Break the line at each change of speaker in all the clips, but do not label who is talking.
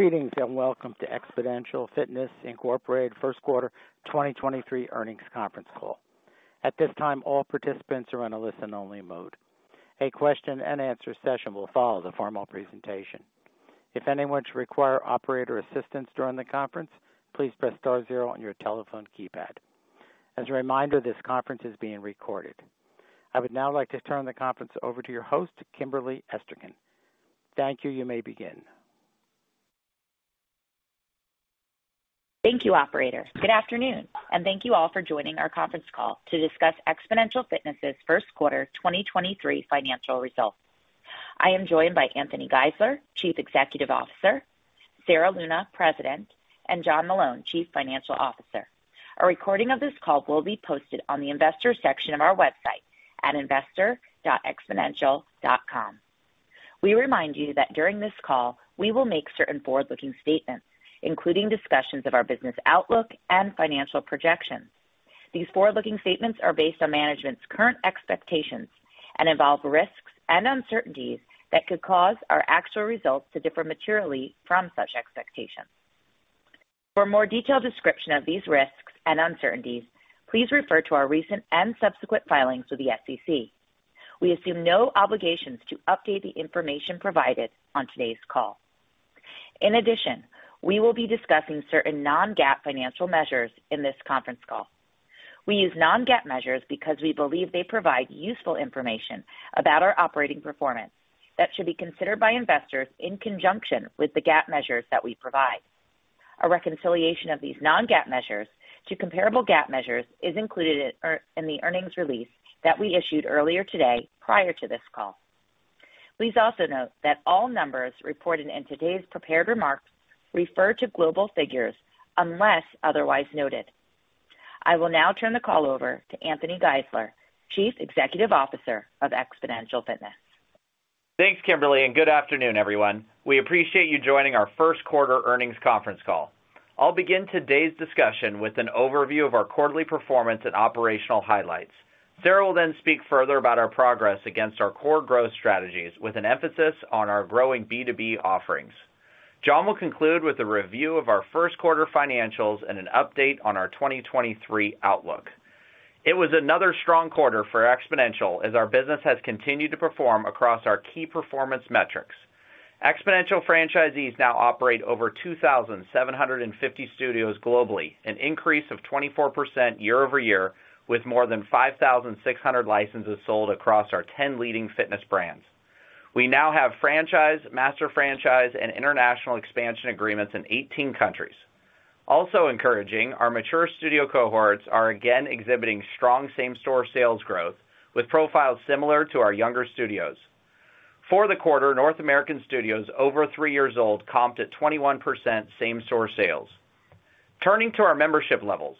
Greetings, welcome to Xponential Fitness, Inc. 1st quarter 2023 earnings conference call. At this time, all participants are in a listen-only mode. A question-and-answer session will follow the formal presentation. If anyone should require operator assistance during the conference, please press *0 on your telephone keypad. As a reminder, this conference is being recorded. I would now like to turn the conference over to your host, Kimberly Esterkin. Thank you. You may begin.
Thank you, operator. Good afternoon, and thank you all for joining our conference call to discuss Xponential Fitness' first quarter 2023 financial results. I am joined by Anthony Geisler, Chief Executive Officer, Sarah Luna, President, and John Meloun, Chief Financial Officer. A recording of this call will be posted on the investors section of our website at investor.xponential.com. We remind you that during this call, we will make certain forward-looking statements, including discussions of our business outlook and financial projections. These forward-looking statements are based on management's current expectations and involve risks and uncertainties that could cause our actual results to differ materially from such expectations. For a more detailed description of these risks and uncertainties, please refer to our recent and subsequent filings with the SEC. We assume no obligations to update the information provided on today's call. We will be discussing certain non-GAAP financial measures in this conference call. We use non-GAAP measures because we believe they provide useful information about our operating performance that should be considered by investors in conjunction with the GAAP measures that we provide. A reconciliation of these non-GAAP measures to comparable GAAP measures is included in the earnings release that we issued earlier today prior to this call. Please also note that all numbers reported in today's prepared remarks refer to global figures unless otherwise noted. I will now turn the call over to Anthony Geisler, Chief Executive Officer of Xponential Fitness.
Thanks, Kimberly. Good afternoon, everyone. We appreciate you joining our first quarter earnings conference call. I'll begin today's discussion with an overview of our quarterly performance and operational highlights. Sarah will speak further about our progress against our core growth strategies with an emphasis on our growing B2B offerings. John will conclude with a review of our first quarter financials and an update on our 2023 outlook. It was another strong quarter for Xponential as our business has continued to perform across our key performance metrics. Xponential franchisees now operate over 2,750 studios globally, an increase of 24% year-over-year, with more than 5,600 licenses sold across our 10 leading fitness brands. We now have franchise, master franchise, and international expansion agreements in 18 countries. Also encouraging, our mature studio cohorts are again exhibiting strong same-store sales growth, with profiles similar to our younger studios. For the quarter, North American studios over 3 years old comped at 21% same-store sales. Turning to our membership levels.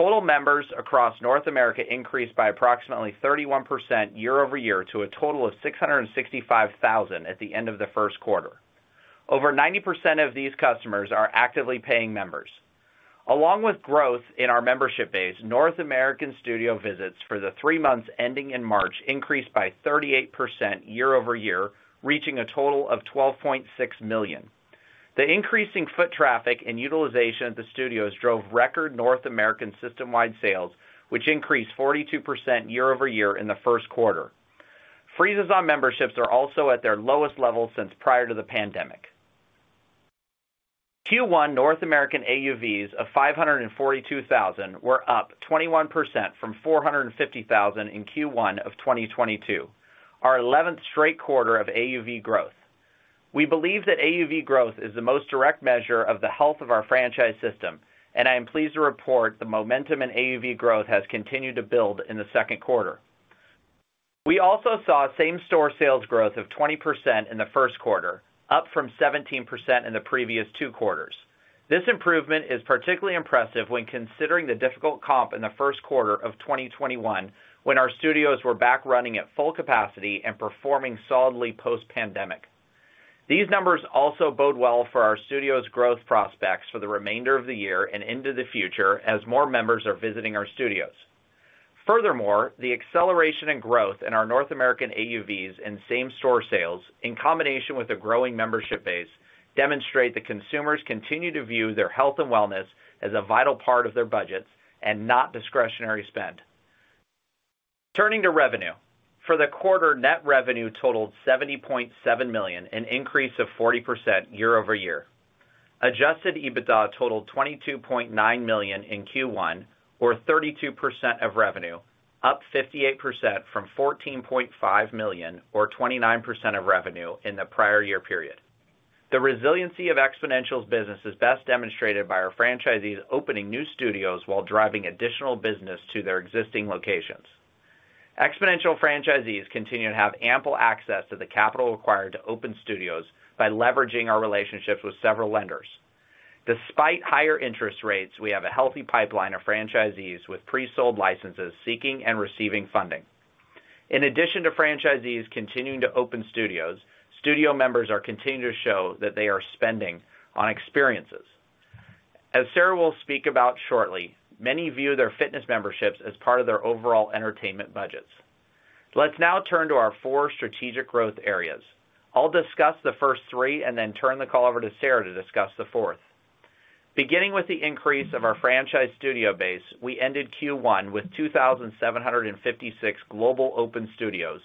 Total members across North America increased by approximately 31% year-over-year to a total of 665,000 at the end of the first quarter. Over 90% of these customers are actively paying members. Along with growth in our membership base, North American studio visits for the 3 months ending in March increased by 38% year-over-year, reaching a total of 12.6 million. The increasing foot traffic and utilization at the studios drove record North American system-wide sales, which increased 42% year-over-year in the first quarter. Freezes on memberships are also at their lowest level since prior to the pandemic. Q1 North American AUVs of $542,000 were up 21% from $450,000 in Q1 of 2022, our 11th straight quarter of AUV growth. We believe that AUV growth is the most direct measure of the health of our franchise system, and I am pleased to report the momentum in AUV growth has continued to build in the second quarter. We also saw same-store sales growth of 20% in the first quarter, up from 17% in the previous 2 quarters. This improvement is particularly impressive when considering the difficult comp in the first quarter of 2021 when our studios were back running at full capacity and performing solidly post-pandemic. These numbers also bode well for our studios' growth prospects for the remainder of the year and into the future as more members are visiting our studios. Furthermore, the acceleration and growth in our North American AUVs and same-store sales, in combination with a growing membership base, demonstrate that consumers continue to view their health and wellness as a vital part of their budgets and not discretionary spend. Turning to revenue. For the quarter, net revenue totaled $70.7 million, an increase of 40% year-over-year. Adjusted EBITDA totaled $22.9 million in Q1, or 32% of revenue, up 58% from $14.5 million, or 29% of revenue, in the prior year period. The resiliency of Xponential's business is best demonstrated by our franchisees opening new studios while driving additional business to their existing locations. Xponential franchisees continue to have ample access to the capital required to open studios by leveraging our relationships with several lenders. Despite higher interest rates, we have a healthy pipeline of franchisees with pre-sold licenses seeking and receiving funding. In addition to franchisees continuing to open studios, studio members are continuing to show that they are spending on experiences. As Sarah will speak about shortly, many view their fitness memberships as part of their overall entertainment budgets. Let's now turn to our four strategic growth areas. I'll discuss the first three and then turn the call over to Sarah to discuss the fourth. Beginning with the increase of our franchise studio base, we ended Q1 with 2,756 global open studios,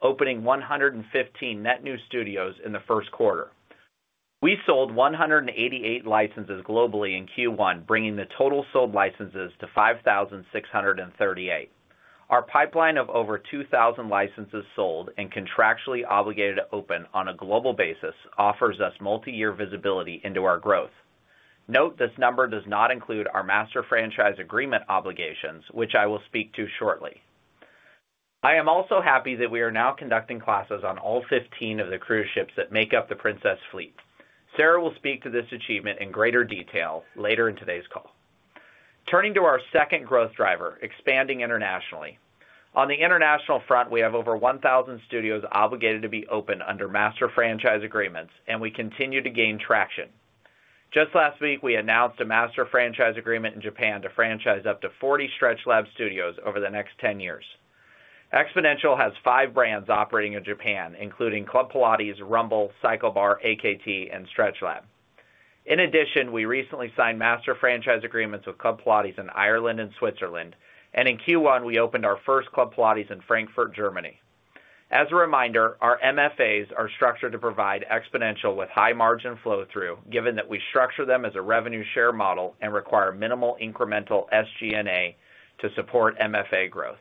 opening 115 net new studios in the first quarter. We sold 188 licenses globally in Q1, bringing the total sold licenses to 5,638. Our pipeline of over 2,000 licenses sold and contractually obligated to open on a global basis offers us multi-year visibility into our growth. Note, this number does not include our master franchise agreement obligations, which I will speak to shortly. I am also happy that we are now conducting classes on all 15 of the cruise ships that make up the Princess fleet. Sarah will speak to this achievement in greater detail later in today's call. Turning to our second growth driver, expanding internationally. On the international front, we have over 1,000 studios obligated to be open under master franchise agreements, and we continue to gain traction. Just last week, we announced a master franchise agreement in Japan to franchise up to 40 StretchLab studios over the next 10 years. Xponential has 5 brands operating in Japan, including Club Pilates, Rumble, CycleBar, AKT and StretchLab. In addition, we recently signed master franchise agreements with Club Pilates in Ireland and Switzerland, and in Q1, we opened our first Club Pilates in Frankfurt, Germany. As a reminder, our MFAs are structured to provide Xponential with high-margin flow-through, given that we structure them as a revenue share model and require minimal incremental SG&A to support MFA growth.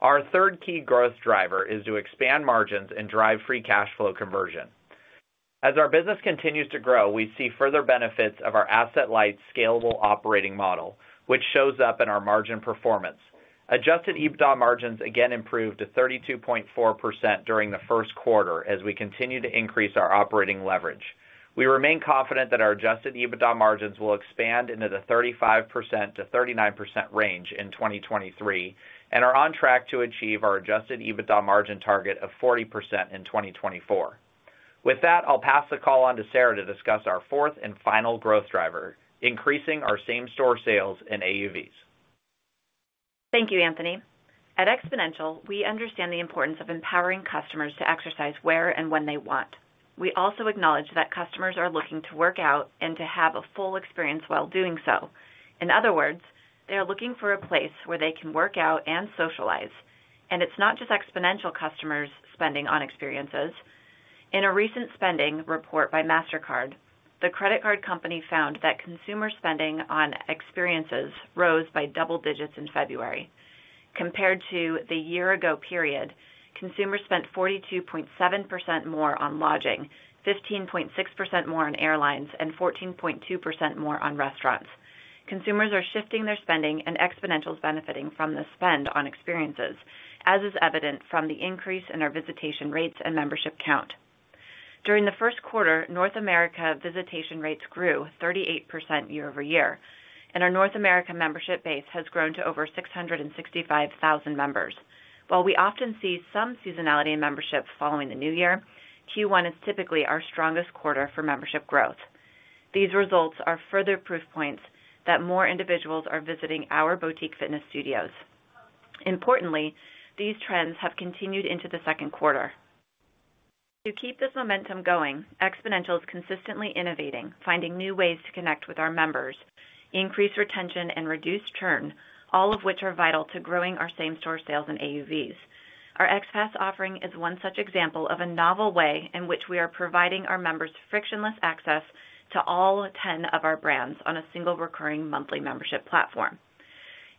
Our third key growth driver is to expand margins and drive free cash flow conversion. As our business continues to grow, we see further benefits of our asset-light, scalable operating model, which shows up in our margin performance. Adjusted EBITDA margins again improved to 32.4% during the first quarter as we continue to increase our operating leverage. We remain confident that our adjusted EBITDA margins will expand into the 35%-39% range in 2023, and are on track to achieve our adjusted EBITDA margin target of 40% in 2024. With that, I'll pass the call on to Sarah to discuss our fourth and final growth driver, increasing our same-store sales and AUVs.
Thank you, Anthony. At Xponential, we understand the importance of empowering customers to exercise where and when they want. We also acknowledge that customers are looking to work out and to have a full experience while doing so. In other words, they are looking for a place where they can work out and socialize, and it's not just Xponential customers spending on experiences. In a recent spending report by Mastercard, the credit card company found that consumer spending on experiences rose by double digits in February. Compared to the year-ago period, consumers spent 42.7% more on lodging, 15.6% more on airlines, and 14.2% more on restaurants. Consumers are shifting their spending, and Xponential is benefiting from the spend on experiences, as is evident from the increase in our visitation rates and membership count. During the first quarter, North America visitation rates grew 38% year-over-year, and our North America membership base has grown to over 665,000 members. While we often see some seasonality in membership following the new year, Q1 is typically our strongest quarter for membership growth. These results are further proof points that more individuals are visiting our boutique fitness studios. Importantly, these trends have continued into the second quarter. To keep this momentum going, Xponential is consistently innovating, finding new ways to connect with our members, increase retention, and reduce churn, all of which are vital to growing our same-store sales and AUVs. Our XPass offering is one such example of a novel way in which we are providing our members frictionless access to all 10 of our brands on a single recurring monthly membership platform.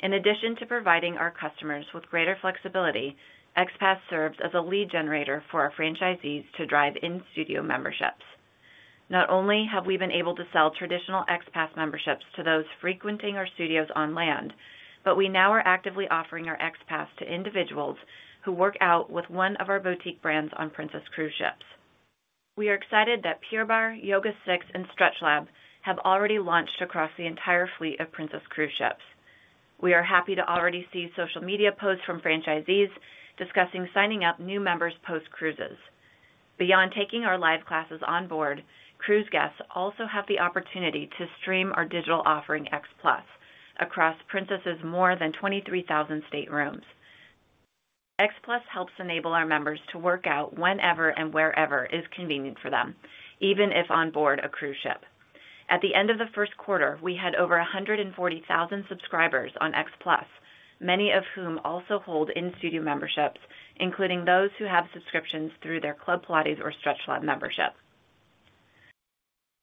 In addition to providing our customers with greater flexibility, XPASS serves as a lead generator for our franchisees to drive in-studio memberships. Not only have we been able to sell traditional XPASS memberships to those frequenting our studios on land, but we now are actively offering our XPASS to individuals who work out with one of our boutique brands on Princess Cruises. We are excited that Pure Barre, YogaSix, and StretchLab have already launched across the entire fleet of Princess Cruises. We are happy to already see social media posts from franchisees discussing signing up new members post-cruises. Beyond taking our live classes on board, cruise guests also have the opportunity to stream our digital offering, XPLUS, across Princess's more than 23,000 staterooms. XPLUS helps enable our members to work out whenever and wherever is convenient for them, even if on board a cruise ship. At the end of the first quarter, we had over 140,000 subscribers on XPlus, many of whom also hold in-studio memberships, including those who have subscriptions through their Club Pilates or StretchLab membership.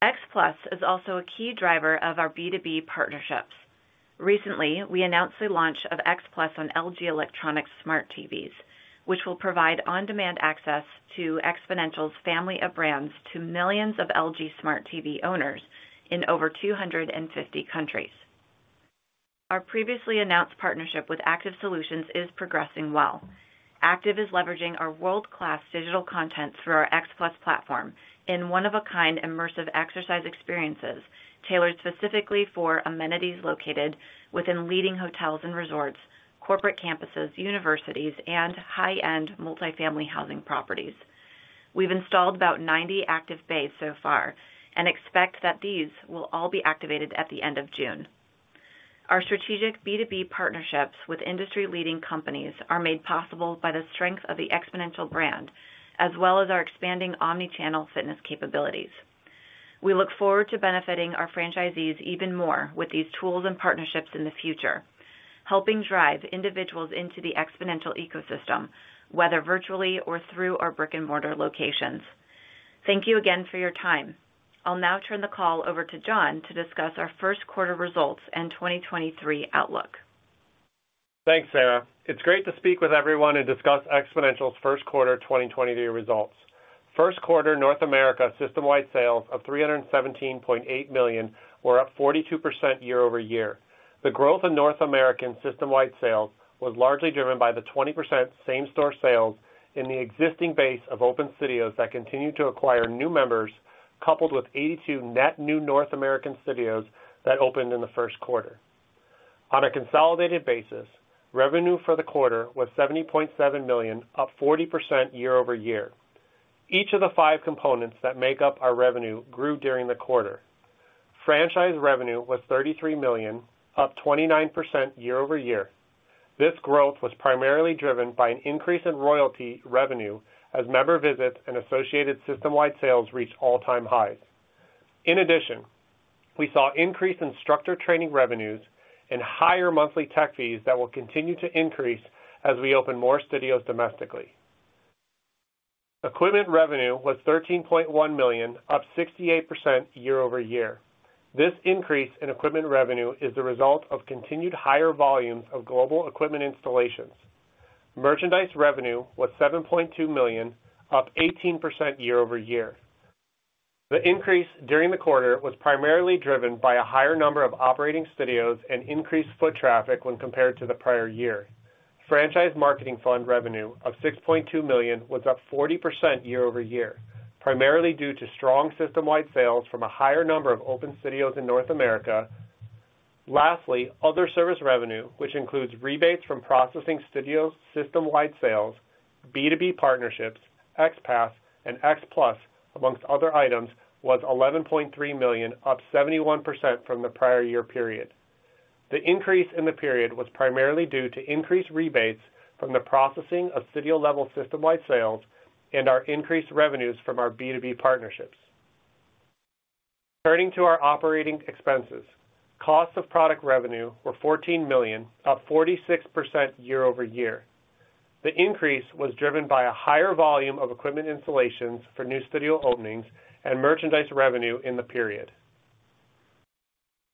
XPlus is also a key driver of our B2B partnerships. Recently, we announced the launch of XPlus on LG Electronics smart TVs, which will provide on-demand access to Xponential's family of brands to millions of LG Smart TV owners in over 250 countries. Our previously announced partnership with Aktiv Solutions is progressing well. Aktiv is leveraging our world-class digital content through our XPlus platform in one-of-a-kind immersive exercise experiences tailored specifically for amenities located within leading hotels and resorts, corporate campuses, universities, and high-end multifamily housing properties. We've installed about 90 Aktiv bays so far and expect that these will all be activated at the end of June. Our strategic B2B partnerships with industry-leading companies are made possible by the strength of the Xponential brand, as well as our expanding omni-channel fitness capabilities. We look forward to benefiting our franchisees even more with these tools and partnerships in the future, helping drive individuals into the Xponential ecosystem, whether virtually or through our brick-and-mortar locations. Thank you again for your time. I'll now turn the call over to John to discuss our first quarter results and 2023 outlook.
Thanks, Sarah. It's great to speak with everyone and discuss Xponential's first quarter 2023 results. First quarter North America system-wide sales of $317.8 million were up 42% year-over-year. The growth in North American system-wide sales was largely driven by the 20% same-store sales in the existing base of open studios that continued to acquire new members, coupled with 82 net new North American studios that opened in the first quarter. On a consolidated basis, revenue for the quarter was $70.7 million, up 40% year-over-year. Each of the five components that make up our revenue grew during the quarter. Franchise revenue was $33 million, up 29% year-over-year. This growth was primarily driven by an increase in royalty revenue as member visits and associated system-wide sales reached all-time highs. In addition, we saw increased instructor training revenues and higher monthly tech fees that will continue to increase as we open more studios domestically. Equipment revenue was $13.1 million, up 68% year-over-year. This increase in equipment revenue is the result of continued higher volumes of global equipment installations. Merchandise revenue was $7.2 million, up 18% year-over-year. The increase during the quarter was primarily driven by a higher number of operating studios and increased foot traffic when compared to the prior year. Franchise marketing fund revenue of $6.2 million was up 40% year-over-year, primarily due to strong system-wide sales from a higher number of open studios in North America. Lastly, other service revenue, which includes rebates from processing studio system-wide sales, B2B partnerships, XPass, and XPlus, amongst other items, was $11.3 million, up 71% from the prior year period. The increase in the period was primarily due to increased rebates from the processing of studio-level system-wide sales and our increased revenues from our B2B partnerships. Turning to our operating expenses, costs of product revenue were $14 million, up 46% year-over-year. The increase was driven by a higher volume of equipment installations for new studio openings and merchandise revenue in the period.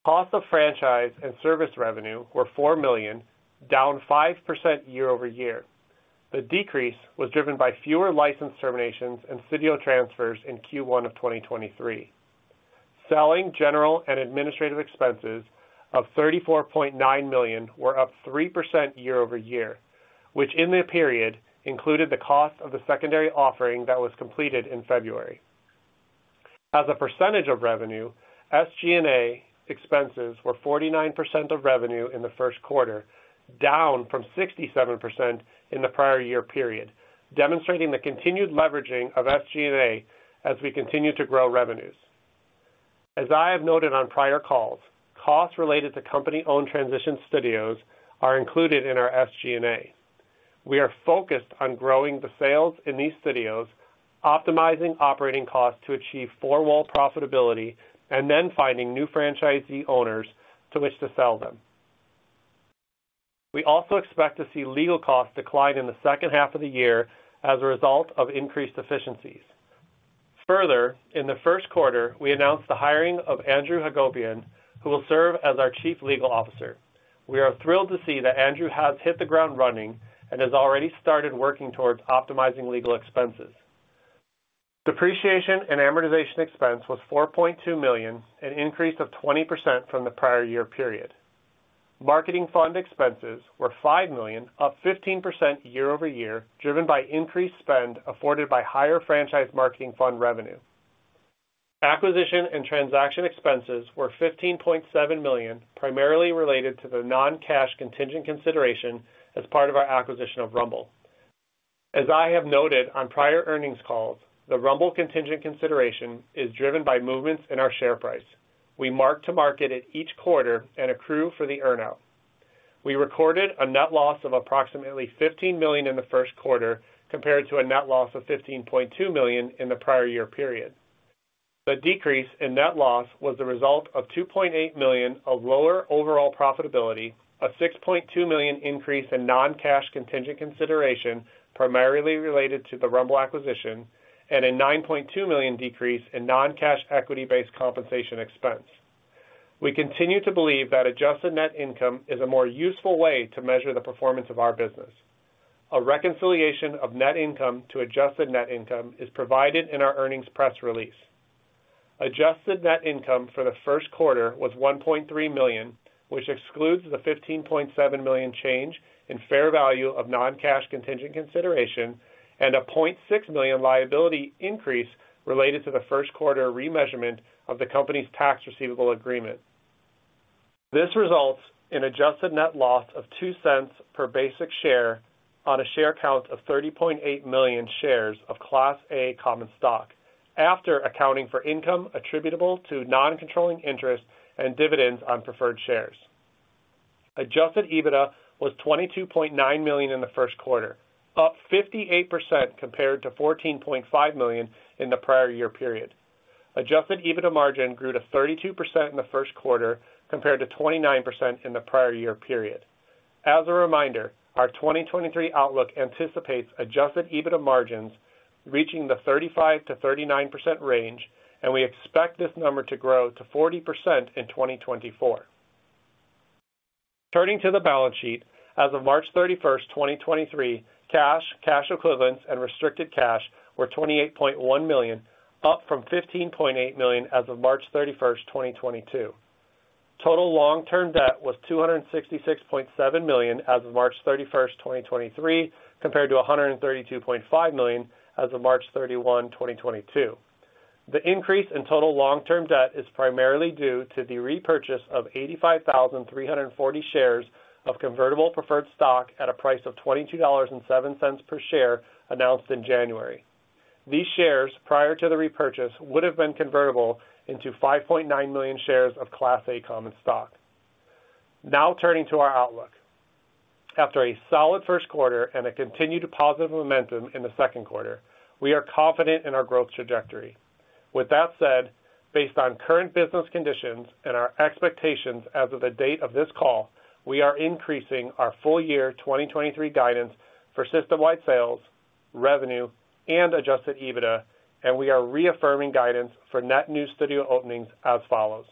Costs of franchise and service revenue were $4 million, down 5% year-over-year. The decrease was driven by fewer license terminations and studio transfers in Q1 of 2023. Selling, general and administrative expenses of $34.9 million were up 3% year-over-year, which in the period included the cost of the secondary offering that was completed in February. As a percentage of revenue, SG&A expenses were 49% of revenue in the first quarter, down from 67% in the prior year period, demonstrating the continued leveraging of SG&A as we continue to grow revenues. As I have noted on prior calls, costs related to company-owned transition studios are included in our SG&A. We are focused on growing the sales in these studios, optimizing operating costs to achieve four-wall profitability, and then finding new franchisee owners to which to sell them. We also expect to see legal costs decline in the second half of the year as a result of increased efficiencies. Further, in the first quarter, we announced the hiring of Andrew Hagopian, who will serve as our Chief Legal Officer. We are thrilled to see that Andrew has hit the ground running and has already started working towards optimizing legal expenses. Depreciation and amortization expense was $4.2 million, an increase of 20% from the prior year period. Marketing fund expenses were $5 million, up 15% year-over-year, driven by increased spend afforded by higher franchise marketing fund revenue. Acquisition and transaction expenses were $15.7 million, primarily related to the non-cash contingent consideration as part of our acquisition of Rumble. As I have noted on prior earnings calls, the Rumble contingent consideration is driven by movements in our share price. We mark to market it each quarter and accrue for the earn-out. We recorded a net loss of approximately $15 million in the first quarter, compared to a net loss of $15.2 million in the prior year period. The decrease in net loss was the result of $2.8 million of lower overall profitability, a $6.2 million increase in non-cash contingent consideration, primarily related to the Rumble acquisition, and a $9.2 million decrease in non-cash equity-based compensation expense. We continue to believe that adjusted net income is a more useful way to measure the performance of our business. A reconciliation of net income to adjusted net income is provided in our earnings press release. Adjusted net income for the first quarter was $1.3 million, which excludes the $15.7 million change in fair value of non-cash contingent consideration and a $0.6 million liability increase related to the first quarter remeasurement of the company's tax receivable agreement. This results in adjusted net loss of $0.02 per basic share on a share count of 30.8 million shares of Class A common stock after accounting for income attributable to non-controlling interest and dividends on preferred shares. Adjusted EBITDA was $22.9 million in the first quarter, up 58% compared to $14.5 million in the prior year period. Adjusted EBITDA margin grew to 32% in the first quarter compared to 29% in the prior year period. As a reminder, our 2023 outlook anticipates adjusted EBITDA margins reaching the 35%-39% range, and we expect this number to grow to 40% in 2024. Turning to the balance sheet. As of March 31, 2023, cash equivalents and restricted cash were $28.1 million, up from $15.8 million as of March 31, 2022. Total long-term debt was $266.7 million as of March 31, 2023, compared to $132.5 million as of March 31, 2022. The increase in total long-term debt is primarily due to the repurchase of 85,340 shares of convertible preferred stock at a price of $22.07 per share announced in January. These shares, prior to the repurchase, would have been convertible into 5.9 million shares of Class A common stock. Turning to our outlook. After a solid first quarter and a continued positive momentum in the second quarter, we are confident in our growth trajectory. With that said, based on current business conditions and our expectations as of the date of this call, we are increasing our full year 2023 guidance for system-wide sales, revenue and adjusted EBITDA, and we are reaffirming guidance for net new studio openings as follows: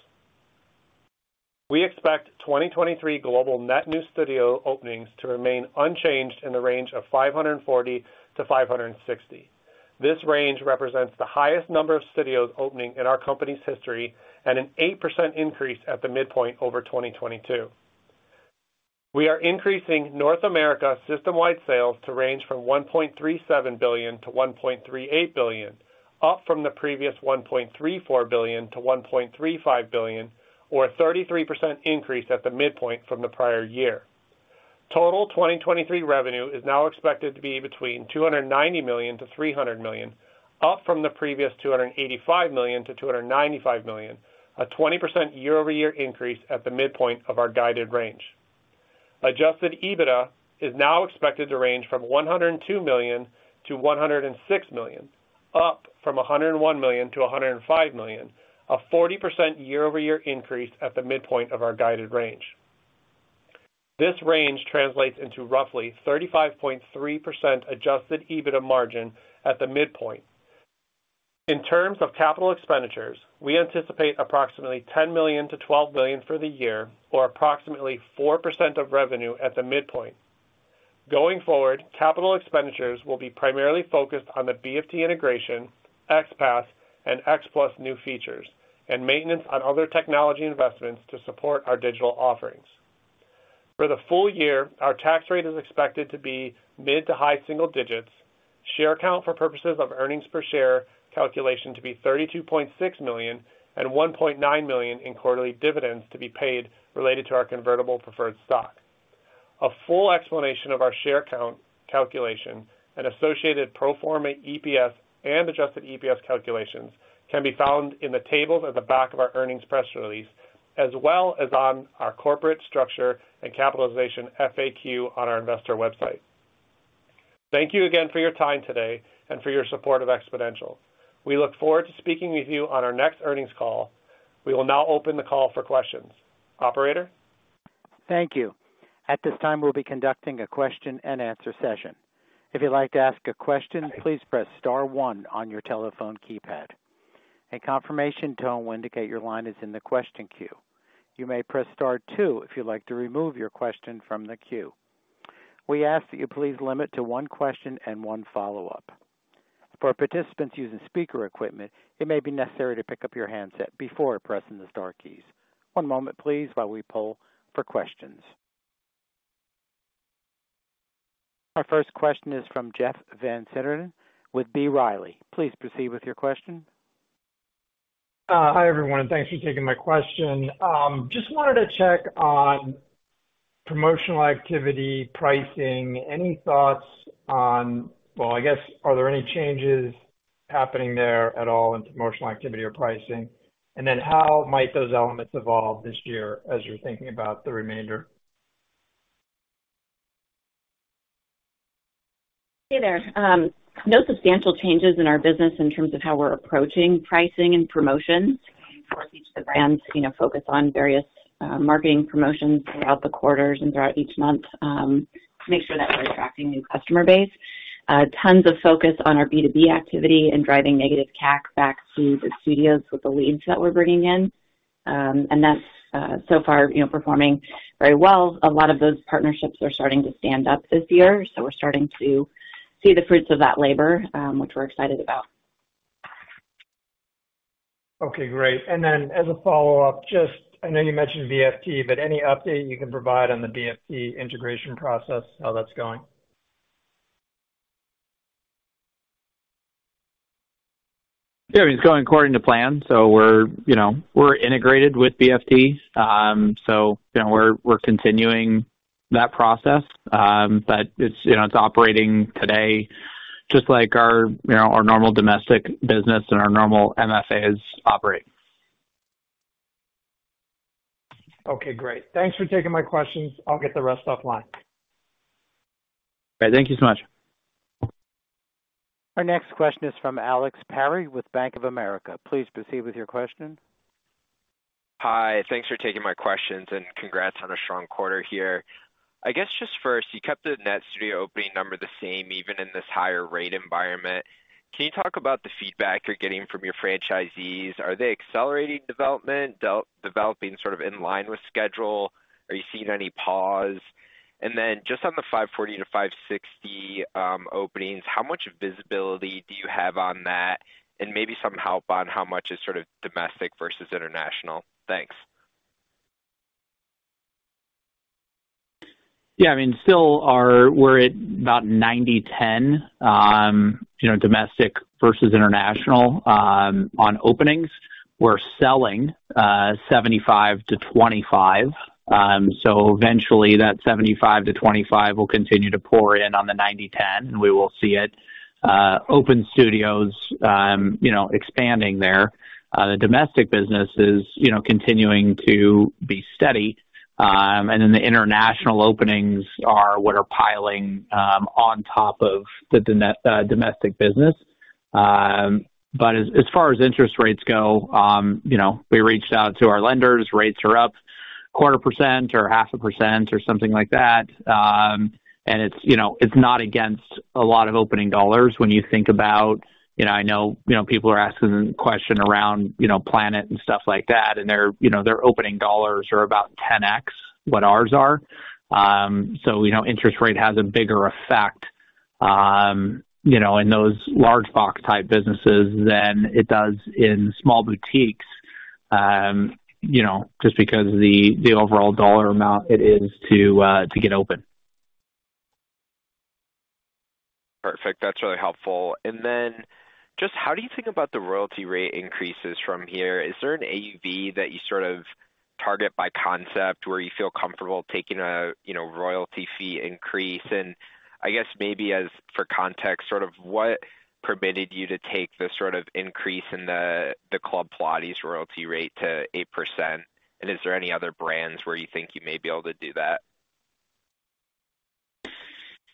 We expect 2023 global net new studio openings to remain unchanged in the range of 540-560. This range represents the highest number of studios opening in our company's history and an 8% increase at the midpoint over 2022. We are increasing North America system-wide sales to range from $1.37 billion-$1.38 billion, up from the previous $1.34 billion-$1.35 billion, or a 33% increase at the midpoint from the prior year. Total 2023 revenue is now expected to be between $290 million to $300 million, up from the previous $285 million to $295 million, a 20% year-over-year increase at the midpoint of our guided range. Adjusted EBITDA is now expected to range from $102 million-$106 million, up from $101 million-$105 million, a 40% year-over-year increase at the midpoint of our guided range. This range translates into roughly 35.3% adjusted EBITDA margin at the midpoint. In terms of capital expenditures, we anticipate approximately $10 million-$12 million for the year or approximately 4% of revenue at the midpoint. Going forward, capital expenditures will be primarily focused on the BFT integration, XPass and XPlus new features, and maintenance on other technology investments to support our digital offerings. For the full year, our tax rate is expected to be mid to high single digits. Share count for purposes of earnings per share calculation to be 32.6 million and $1.9 million in quarterly dividends to be paid related to our convertible preferred stock. A full explanation of our share count calculation and associated pro forma EPS and adjusted EPS calculations can be found in the tables at the back of our earnings press release, as well as on our corporate structure and capitalization FAQ on our investor website. Thank you again for your time today and for your support of Xponential. We look forward to speaking with you on our next earnings call. We will now open the call for questions. Operator?
Thank you. At this time, we'll be conducting a question-and-answer session. If you'd like to ask a question, please press star one on your telephone keypad. A confirmation tone will indicate your line is in the question queue. You may press star two if you'd like to remove your question from the queue. We ask that you please limit to one question and one follow-up. For participants using speaker equipment, it may be necessary to pick up your handset before pressing the star keys. One moment, please, while we pull for questions. Our first question is from Jeff Van Sinderen with B. Riley. Please proceed with your question.
Hi, everyone. Thanks for taking my question. Just wanted to check on promotional activity pricing. Well, I guess, are there any changes happening there at all in promotional activity or pricing? How might those elements evolve this year as you're thinking about the remainder?
Hey there. No substantial changes in our business in terms of how we're approaching pricing and promotions. Of course, each of the brands, you know, focus on various marketing promotions throughout the quarters and throughout each month, to make sure that we're attracting new customer base. Tons of focus on our B2B activity and driving negative CAC back to the studios with the leads that we're bringing in. That's so far, you know, performing very well. A lot of those partnerships are starting to stand up this year, so we're starting to see the fruits of that labor, which we're excited about.
Okay, great. As a follow-up, just I know you mentioned BFT, but any update you can provide on the BFT integration process, how that's going?
Yeah, I mean, it's going according to plan. We're, you know, we're integrated with BFT. We're, we're continuing that process. It's, you know, it's operating today just like our, you know, our normal domestic business and our normal MFAs operate.
Okay, great. Thanks for taking my questions. I'll get the rest offline.
All right. Thank you so much.
Our next question is from Alex Perry with Bank of America. Please proceed with your question.
Hi. Thanks for taking my questions. Congrats on a strong quarter here. I guess just first, you kept the net studio opening number the same even in this higher rate environment. Can you talk about the feedback you're getting from your franchisees? Are they accelerating development, developing sort of in line with schedule? Are you seeing any pause? Then just on the 540-560 openings, how much visibility do you have on that? Maybe some help on how much is sort of domestic versus international. Thanks.
Yeah. I mean, still we're at about 90/10, you know, domestic versus international, on openings. We're selling 75 to 25. Eventually that 75 to 25 will continue to pour in on the 90/10, and we will see it open studios, you know, expanding there. The domestic business is, you know, continuing to be steady. The international openings are what are piling on top of the domestic business. As far as interest rates go, you know, we reached out to our lenders. Rates are up quarter % or half a % or something like that. It's, you know, it's not against a lot of opening dollars when you think about, you know, I know, you know, people are asking question around, you know, Planet and stuff like that, and their, you know, their opening dollars are about 10x what ours are. You know, interest rate has a bigger effect, you know, in those large box type businesses than it does in small boutiques, you know, just because the overall dollar amount it is to get open.
Perfect. That's really helpful. How do you think about the royalty rate increases from here? Is there an AUV that you sort of target by concept where you feel comfortable taking a, you know, royalty fee increase? I guess maybe as for context, sort of what permitted you to take the sort of increase in the Club Pilates royalty rate to 8%, and is there any other brands where you think you may be able to do that?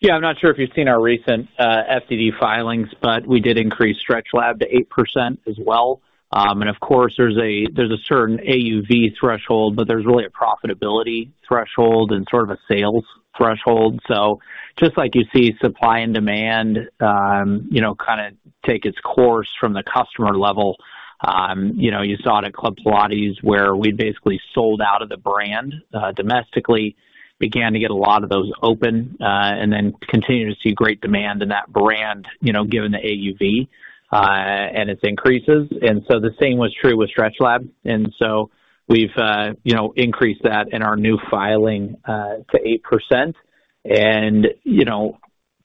I'm not sure if you've seen our recent FDD filings, we did increase StretchLab to 8% as well. Of course, there's a certain AUV threshold, there's really a profitability threshold and sort of a sales threshold. Just like you see supply and demand, you know, kind of take its course from the customer level, you know, you saw it at Club Pilates where we basically sold out of the brand domestically, began to get a lot of those open, continue to see great demand in that brand, you know, given the AUV and its increases. The same was true with StretchLab. We've, you know, increased that in our new filing to 8%. You know,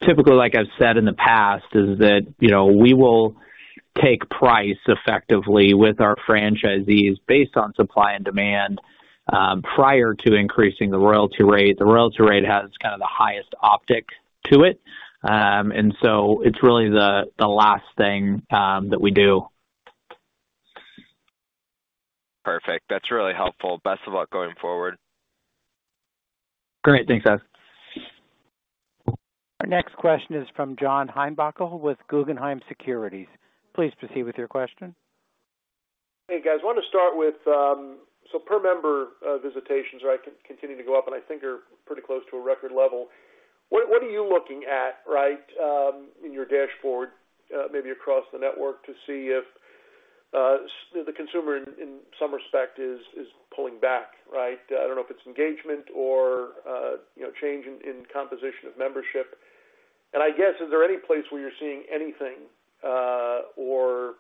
typically, like I've said in the past, is that, you know, we will take price effectively with our franchisees based on supply and demand, prior to increasing the royalty rate. The royalty rate has kind of the highest optic to it. So it's really the last thing that we do.
Perfect. That's really helpful. Best of luck going forward.
Great. Thanks, Alex.
Our next question is from John Heinbockel with Guggenheim Securities. Please proceed with your question.
Hey, guys. I want to start with, per member, visitations are continuing to go up, and I think are pretty close to a record level. What are you looking at, right, in your dashboard, maybe across the network to see if the consumer in some respect is pulling back, right? I don't know if it's engagement or, you know, change in composition of membership. I guess, is there any place where you're seeing anything, or,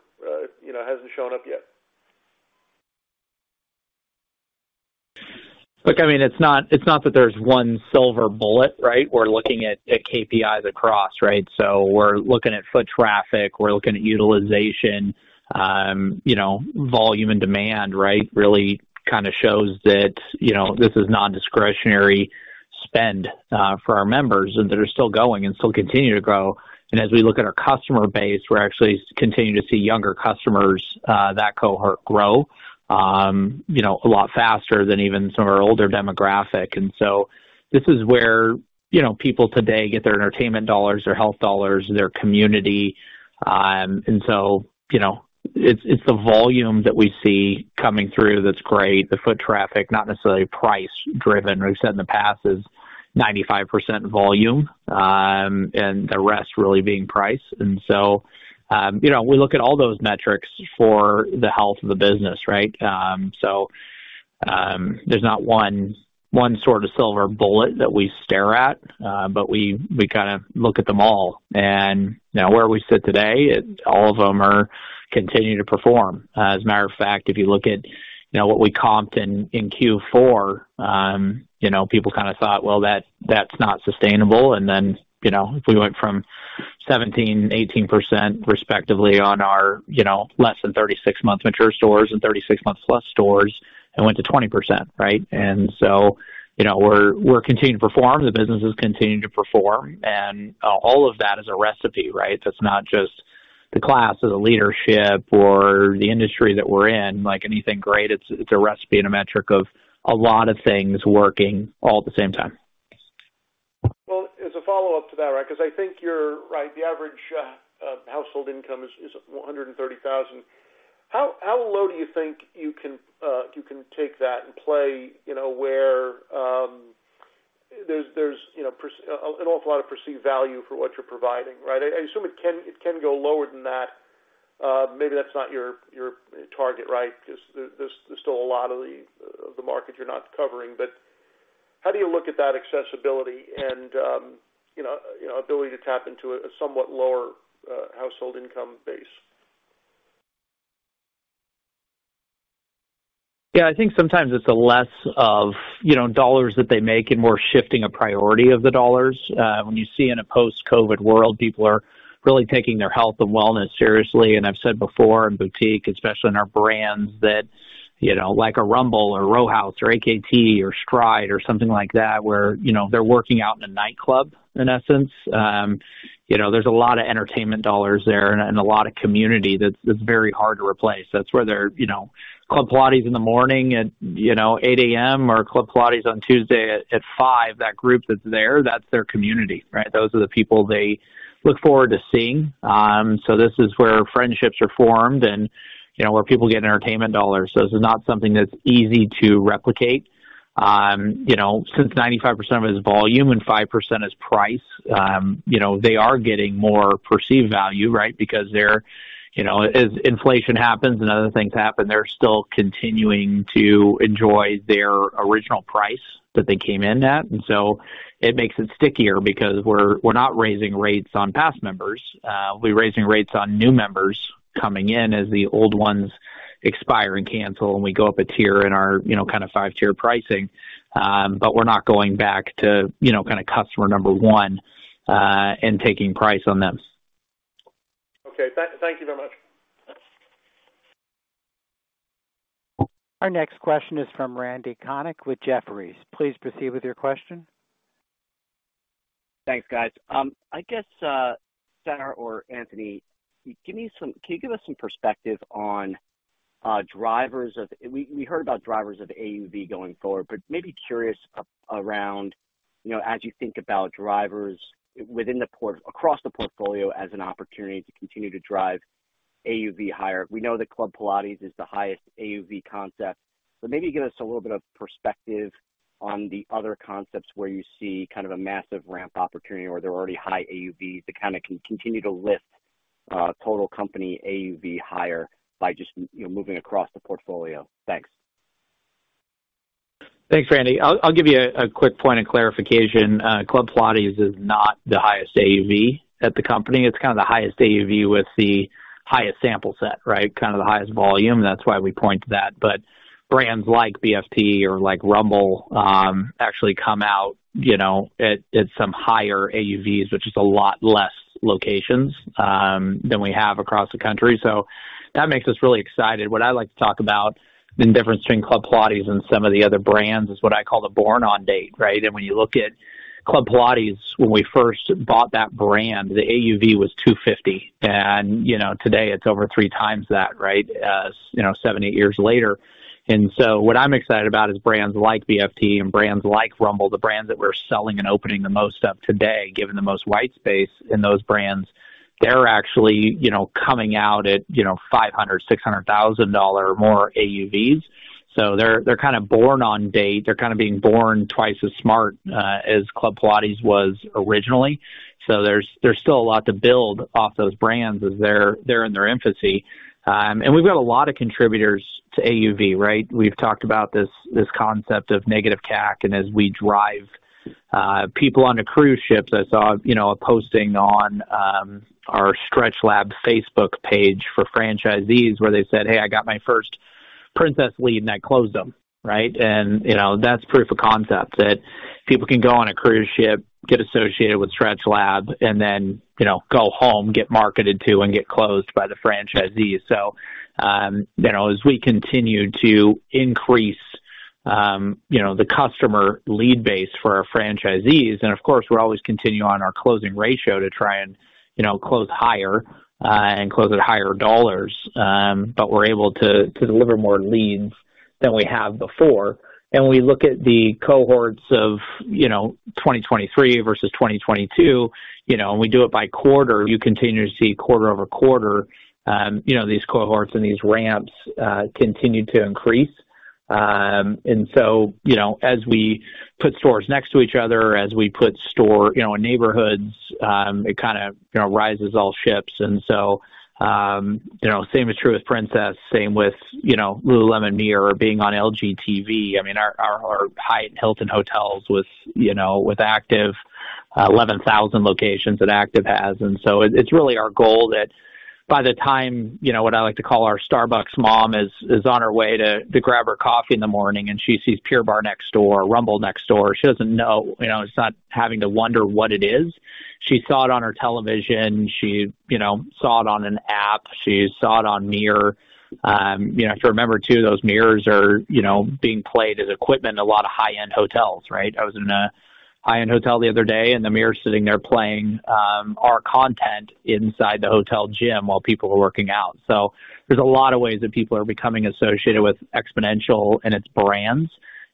you know, hasn't shown up yet?
Look, I mean, it's not that there's one silver bullet, right? We're looking at KPIs across, right? We're looking at foot traffic, we're looking at utilization, you know, volume and demand, right? Really kind of shows that, you know, this is nondiscretionary spend for our members, and they're still going and still continue to grow. As we look at our customer base, we're actually continue to see younger customers, that cohort grow, you know, a lot faster than even some of our older demographic. This is where, you know, people today get their entertainment dollars, their health dollars, their community. You know, it's the volume that we see coming through that's great. The foot traffic, not necessarily price-driven. We've said in the past is 95% volume, and the rest really being price. You know, we look at all those metrics for the health of the business, right? So, there's not one sort of silver bullet that we stare at, but we kind of look at them all. You know, where we sit today, all of them are continuing to perform. As a matter of fact, if you look at. You know what we comped in Q4, you know, people kind of thought, well, that's not sustainable. Then, you know, if we went from 17%, 18% respectively on our, you know, less than 36-month mature stores and 36 months plus stores and went to 20%, right? So, you know, we're continuing to perform, the business is continuing to perform. All of that is a recipe, right? It's not just the class or the leadership or the industry that we're in. Like anything great, it's a recipe and a metric of a lot of things working all at the same time.
As a follow-up to that, right, because I think you're right, the average household income is $130,000. How low do you think you can take that and play, you know, where there's, you know, an awful lot of perceived value for what you're providing, right? I assume it can go lower than that. Maybe that's not your target, right? 'Cause there's still a lot of the market you're not covering. How do you look at that accessibility and, you know, ability to tap into a somewhat lower household income base?
Yeah, I think sometimes it's a less of, you know, dollars that they make and more shifting a priority of the dollars. When you see in a post-COVID world, people are really taking their health and wellness seriously. I've said before in boutique, especially in our brands that, you know, like a Rumble or Row House or AKT or Stride or something like that, where, you know, they're working out in a nightclub, in essence. There's a lot of entertainment dollars there and a lot of community that's very hard to replace. That's where they're, you know, Club Pilates in the morning at, you know, 8:00 A.M. or Club Pilates on Tuesday at 5:00 P.M., that group that's there, that's their community, right? Those are the people they look forward to seeing. This is where friendships are formed and, you know, where people get entertainment dollars. This is not something that's easy to replicate. You know, since 95% of it is volume and 5% is price, you know, they are getting more perceived value, right? Because they're, you know, as inflation happens and other things happen, they're still continuing to enjoy their original price that they came in at. It makes it stickier because we're not raising rates on past members. We're raising rates on new members coming in as the old ones expire and cancel, and we go up a tier in our, you know, kind of 5-tier pricing. We're not going back to, you know, kind of customer number 1 and taking price on them.
Okay. Thank you very much.
Our next question is from Randy Konik with Jefferies. Please proceed with your question.
Thanks, guys. I guess, Sarah Luna or Anthony Geisler, can you give us some perspective on drivers of... We heard about drivers of AUV going forward, but maybe curious around, you know, as you think about drivers across the portfolio as an opportunity to continue to drive AUV higher. We know that Club Pilates is the highest AUV concept, but maybe give us a little bit of perspective on the other concepts where you see kind of a massive ramp opportunity or they're already high AUV to continue to lift total company AUV higher by just, you know, moving across the portfolio. Thanks.
Thanks, Randy. I'll give you a quick point of clarification. Club Pilates is not the highest AUV at the company. It's kind of the highest AUV with the highest sample set, right? Kind of the highest volume. That's why we point to that. Brands like BFT or like Rumble actually come out, you know, at some higher AUVs, which is a lot less locations than we have across the country. That makes us really excited. What I like to talk about, the difference between Club Pilates and some of the other brands is what I call the born on date, right? When you look at Club Pilates, when we first bought that brand, the AUV was 250. You know, today it's over 3 times that, right? As, you know, seven, eight years later. What I'm excited about is brands like BFT and brands like Rumble, the brands that we're selling and opening the most of today, given the most white space in those brands, they're actually, you know, coming out at, you know, $500,000-$600,000 more AUVs. They're, they're kind of born on date. They're kind of being born twice as smart as Club Pilates was originally. There's, there's still a lot to build off those brands as they're in their infancy. We've got a lot of contributors to AUV, right? We've talked about this concept of negative CAC, and as we drive people on the cruise ships, I saw, you know, a posting on our StretchLab Facebook page for franchisees where they said, "Hey, I got my first Princess lead, and I closed them." Right? You know, that's proof of concept that people can go on a cruise ship, get associated with StretchLab, and then, you know, go home, get marketed to, and get closed by the franchisees. You know, as we continue to increase, you know, the customer lead base for our franchisees, and of course, we're always continuing on our closing ratio to try and, you know, close higher, and close at higher dollars. We're able to deliver more leads than we have before. When we look at the cohorts of, you know, 2023 versus 2022, you know, and we do it by quarter, you continue to see quarter-over-quarter, you know, these cohorts and these ramps, continue to increase. You know, as we put stores next to each other, as we put store, you know, in neighborhoods, it kind of, you know, rises all ships. You know, same is true with Princess, same with, you know, lululemon Studio Mirror being on LG TV. I mean, our Hyatt and Hilton Hotels with, you know, with Aktiv. 11,000 locations that Aktiv has. It's really our goal that by the time, you know, what I like to call our Starbucks mom is on her way to grab her coffee in the morning, and she sees Pure Barre next door or Rumble next door. She doesn't know, you know, it's not having to wonder what it is. She saw it on her television. She, you know, saw it on an app. She saw it on Mirror. You know, if you remember too, those mirrors are, you know, being played as equipment in a lot of high-end hotels, right? I was in a high-end hotel the other day, and the mirror's sitting there playing our content inside the hotel gym while people were working out. There's a lot of ways that people are becoming associated with Xponential and its brands.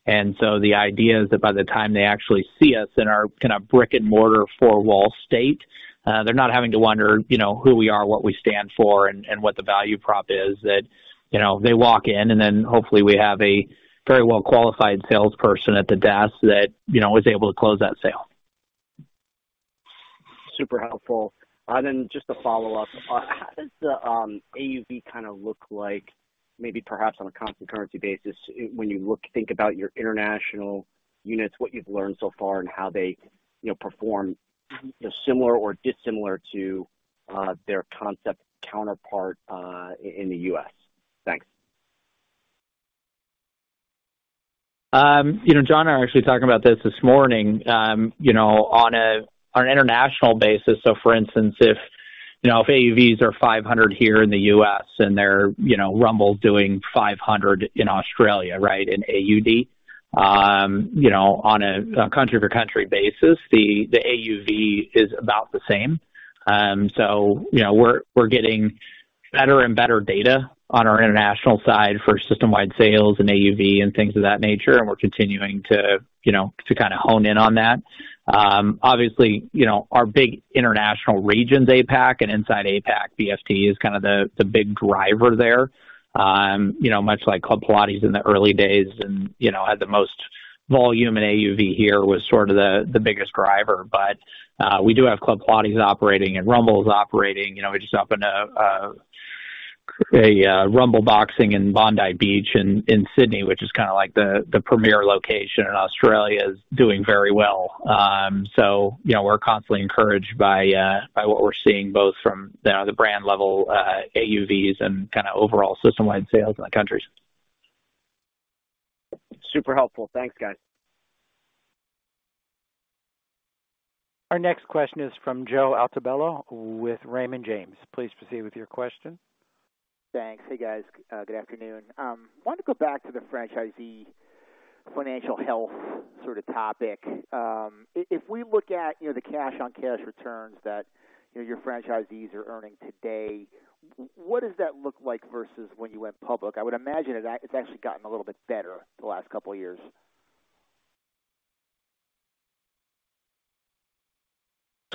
The idea is that by the time they actually see us in our kind of brick-and-mortar four-wall state, they're not having to wonder, you know, who we are, what we stand for, and what the value prop is that, you know, they walk in, and then hopefully we have a very well-qualified salesperson at the desk that, you know, is able to close that sale.
Super helpful. Just to follow up, how does the AUV kind of look like maybe perhaps on a constant currency basis when you think about your international units, what you've learned so far and how they, you know, perform, you know, similar or dissimilar to their concept counterpart in the U.S.? Thanks.
You know, John and I were actually talking about this this morning. You know, on an international basis, so for instance, if, you know, if AUVs are 500 here in the US and they're, you know, Rumble doing 500 in Australia, right, in AUD, you know, on a country-for-country basis, the AUV is about the same. You know, we're getting better and better data on our international side for system-wide sales and AUV and things of that nature, and we're continuing to, you know, to kind of hone in on that. Obviously, you know, our big international regions, APAC and inside APAC, BFT is kind of the big driver there. You know, much like Club Pilates in the early days and, you know, had the most volume and AUV here was sort of the biggest driver. We do have Club Pilates operating and Rumble is operating. You know, we just opened a Rumble Boxing in Bondi Beach in Sydney, which is kind of like the premier location, and Australia is doing very well. You know, we're constantly encouraged by what we're seeing both from the brand level AUVs and kind of overall system-wide sales in the countries.
Super helpful. Thanks, guys.
Our next question is from Joseph Altobello with Raymond James. Please proceed with your question.
Thanks. Hey, guys, good afternoon. Wanted to go back to the franchisee financial health sort of topic. If we look at, you know, the cash-on-cash returns that, you know, your franchisees are earning today, what does that look like versus when you went public? I would imagine it's actually gotten a little bit better the last couple years.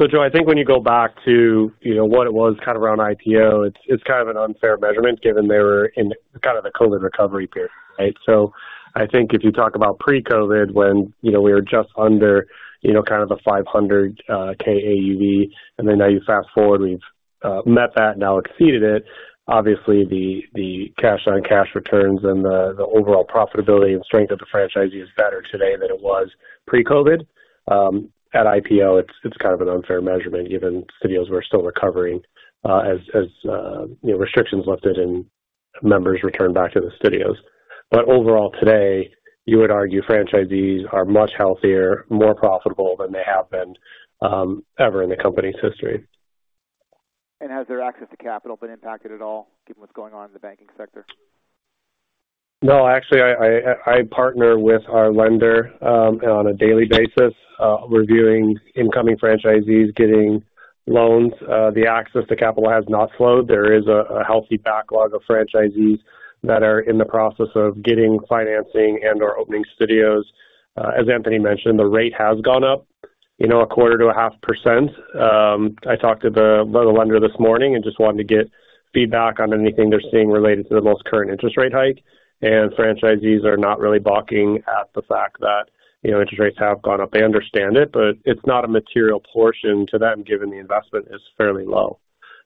Joe, I think when you go back to, you know, what it was kind of around IPO, it's kind of an unfair measurement given they were in kind of the COVID recovery period, right? I think if you talk about pre-COVID when, you know, we were just under, you know, kind of the 500 K AUV, and then now you fast-forward, we've met that, now exceeded it. Obviously, the cash-on-cash returns and the overall profitability and strength of the franchisee is better today than it was pre-COVID. At IPO, it's kind of an unfair measurement given studios were still recovering, as, you know, restrictions lifted and members returned back to the studios. Overall today, you would argue franchisees are much healthier, more profitable than they have been ever in the company's history.
Has their access to capital been impacted at all given what's going on in the banking sector?
No, actually I partner with our lender, on a daily basis, reviewing incoming franchisees getting loans. The access to capital has not slowed. There is a healthy backlog of franchisees that are in the process of getting financing and/or opening studios. As Anthony Geisler mentioned, the rate has gone up, you know, a quarter to a half %. I talked to the lender this morning and just wanted to get feedback on anything they're seeing related to the most current interest rate hike, franchisees are not really balking at the fact that, you know, interest rates have gone up. They understand it, but it's not a material portion to them given the investment is fairly low.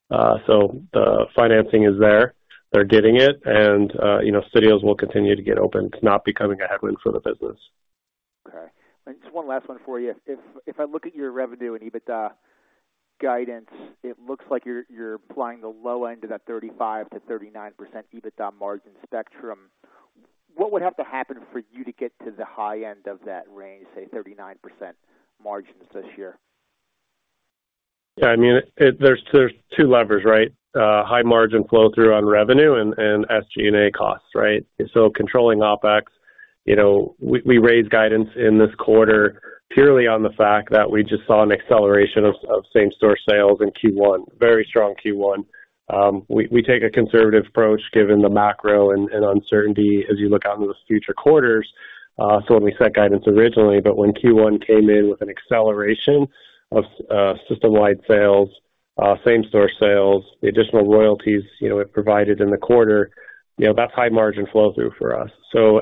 The financing is there. They're getting it, and, you know, studios will continue to get open. It's not becoming a headwind for the business.
Okay. Just one last one for you. If I look at your revenue and EBITDA guidance, it looks like you're applying the low end of that 35%-39% EBITDA margin spectrum. What would have to happen for you to get to the high end of that range, say, 39% margins this year?
Yeah, I mean, there's two levers, right? High margin flow-through on revenue and SG&A costs, right? Controlling OpEx. You know, we raised guidance in this quarter purely on the fact that we just saw an acceleration of same-store sales in Q1, very strong Q1. We take a conservative approach given the macro and uncertainty as you look out into those future quarters, so when we set guidance originally. When Q1 came in with an acceleration of system-wide sales, same-store sales, the additional royalties, you know, it provided in the quarter, you know, that's high margin flow-through for us.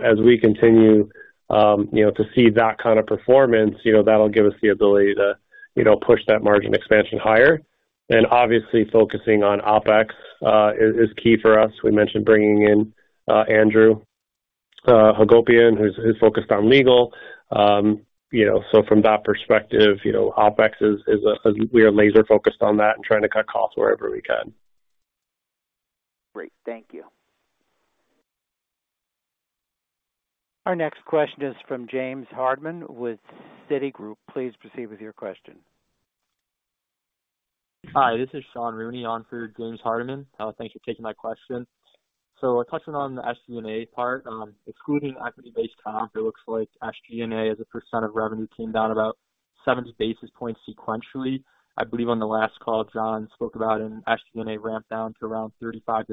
As we continue, you know, to see that kind of performance, you know, that'll give us the ability to, you know, push that margin expansion higher. Obviously focusing on OpEx is key for us. We mentioned bringing in Andrew Hagopian who's focused on legal. You know, from that perspective, you know, OpEx we are laser-focused on that and trying to cut costs wherever we can.
Great. Thank you.
Our next question is from James Hardiman with Citigroup. Please proceed with your question.
Hi, this is Sean McMullen on for James Hardiman. Thanks for taking my question. Touching on the SG&A part, excluding equity-based comp, it looks like SG&A as a percent of revenue came down about 70 basis points sequentially. I believe on the last call, John spoke about an SG&A ramp down to around 35%-36%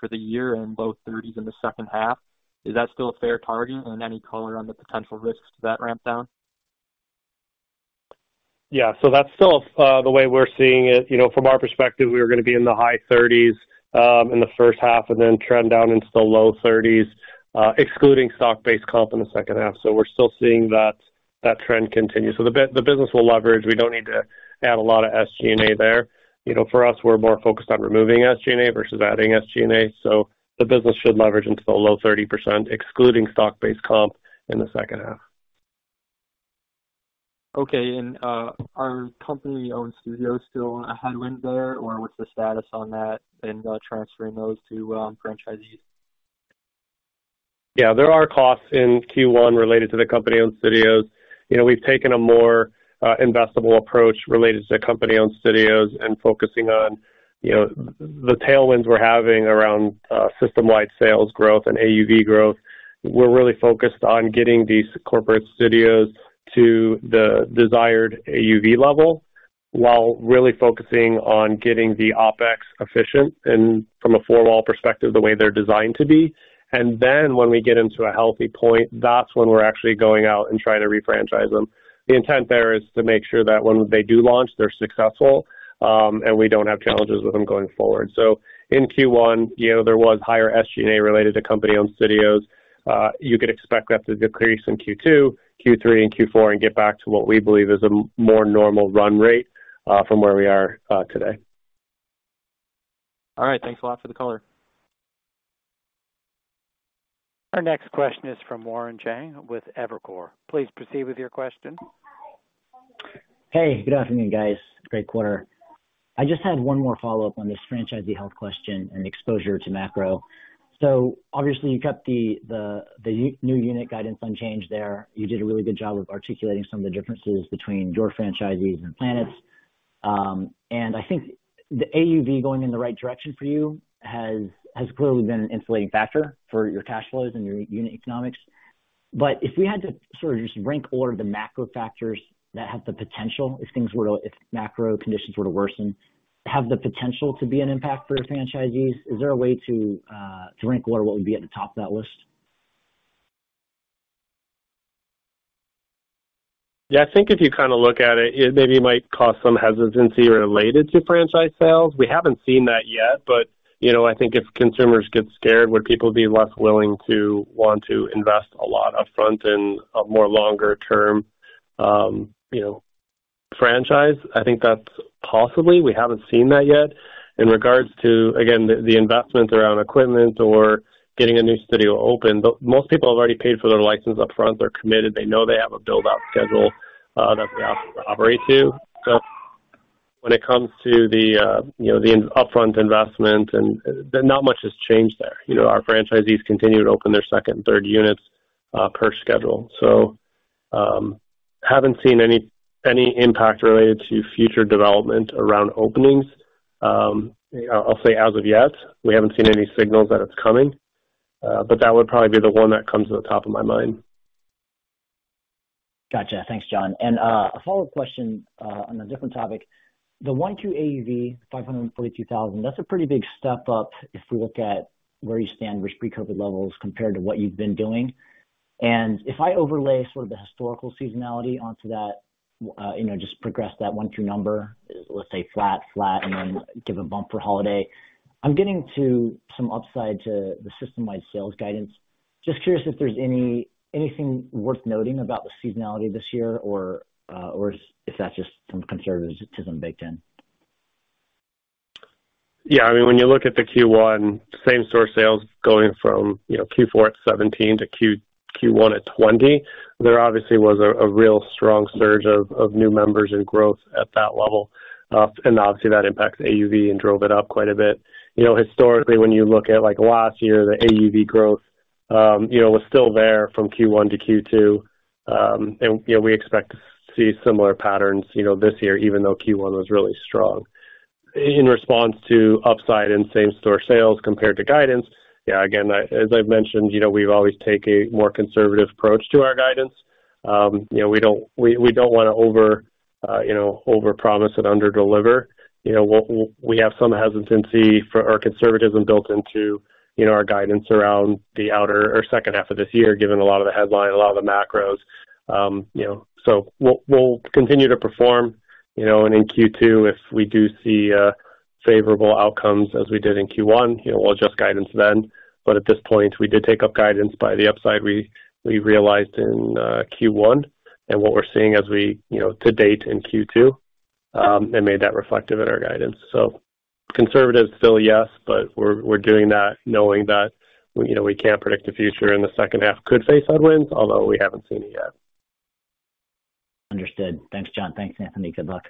for the year and low 30s in the second half. Is that still a fair target? Any color on the potential risks to that ramp down?
That's still the way we're seeing it. You know, from our perspective, we were going to be in the high 30s in the first half and then trend down into the low 30s, excluding stock-based comp in the second half. We're still seeing that trend continue. The business will leverage. We don't need to add a lot of SG&A there. You know, for us, we're more focused on removing SG&A versus adding SG&A. The business should leverage into the low 30%, excluding stock-based comp in the second half.
Okay. Are company-owned studios still a headwind there, or what's the status on that in, transferring those to, franchisees?
Yeah, there are costs in Q1 related to the company-owned studios. You know, we've taken a more investable approach related to company-owned studios and focusing on, you know, the tailwinds we're having around system-wide sales growth and AUV growth. We're really focused on getting these corporate studios to the desired AUV level while really focusing on getting the OpEx efficient and from a four-wall perspective, the way they're designed to be. When we get into a healthy point, that's when we're actually going out and trying to refranchise them. The intent there is to make sure that when they do launch, they're successful, and we don't have challenges with them going forward. In Q1, you know, there was higher SG&A related to company-owned studios. You could expect that to decrease in Q2, Q3, and Q4 and get back to what we believe is a more normal run rate from where we are today.
All right. Thanks a lot for the color.
Our next question is from Warren Cheng with Evercore. Please proceed with your question.
Hey, good afternoon, guys. Great quarter. I just had one more follow-up on this franchisee health question and exposure to macro. Obviously you kept the new unit guidance unchanged there. You did a really good job of articulating some of the differences between your franchisees and Planet's. I think the AUV going in the right direction for you has clearly been an insulating factor for your cash flows and your unit economics. If we had to sort of just rank order the macro factors that have the potential if macro conditions were to worsen, have the potential to be an impact for your franchisees, is there a way to rank order what would be at the top of that list?
I think if you kind of look at it maybe might cause some hesitancy related to franchise sales. We haven't seen that yet, you know, I think if consumers get scared, would people be less willing to want to invest a lot upfront in a more longer term, you know, franchise? I think that's possibly. We haven't seen that yet. In regards to, again, the investment around equipment or getting a new studio open, most people have already paid for their license upfront. They're committed. They know they have a build-out schedule that they have to operate to. When it comes to the, you know, the upfront investment, not much has changed there. You know, our franchisees continue to open their second and third units per schedule. Haven't seen any impact related to future development around openings. I'll say as of yet, we haven't seen any signals that it's coming, but that would probably be the one that comes to the top of my mind.
Gotcha. Thanks, John. A follow-up question on a different topic. The Y2 AUV, $542,000, that's a pretty big step up if we look at where you stand with pre-COVID levels compared to what you've been doing. If I overlay sort of the historical seasonality onto that, you know, just progress that one true number, let's say flat, and then give a bump for holiday, I'm getting to some upside to the system-wide sales guidance. Just curious if there's anything worth noting about the seasonality this year or if that's just some conservatism baked in.
Yeah. I mean, when you look at the Q1 same-store sales going from, you know, Q4 at 17% to Q1 at 20%, there obviously was a real strong surge of new members and growth at that level. Obviously, that impacts AUV and drove it up quite a bit. You know, historically, when you look at, like, last year, the AUV growth, you know, was still there from Q1 to Q2. You know, we expect to see similar patterns, you know, this year, even though Q1 was really strong. In response to upside in same-store sales compared to guidance, yeah, again, as I've mentioned, you know, we always take a more conservative approach to our guidance. You know, we don't want to over, you know, overpromise and underdeliver. You know, we have some hesitancy for our conservatism built into, you know, our guidance around the outer or second half of this year, given a lot of the headline, a lot of the macros. You know, we'll continue to perform, you know, and in Q2, if we do see favorable outcomes as we did in Q1, you know, we'll adjust guidance then. At this point, we did take up guidance by the upside we realized in Q1 and what we're seeing as we, you know, to date in Q2, and made that reflective in our guidance. Conservative still, yes, but we're doing that knowing that, you know, we can't predict the future, and the second half could face headwinds, although we haven't seen it yet.
Understood. Thanks, John. Thanks, Anthony. Good luck.